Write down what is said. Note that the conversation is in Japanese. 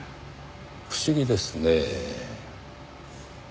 不思議ですねぇ。